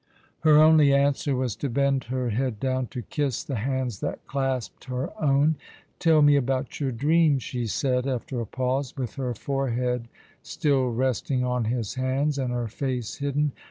Her only answer was to bend her head down to kiss the hands that clasped her own. " Tell me about your dream," she said, after a pause, with her forehead still resting on his hands, and her face hidden.